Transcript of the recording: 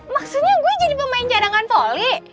maksudnya gue jadi pemain cadangan volley